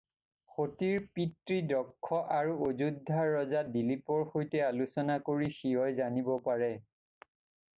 সতীৰ পিতৃ দক্ষ আৰু অযোধ্যাৰ ৰজা দিলীপৰ সৈতে আলোচনা কৰি শিৱই জানিব পাৰে।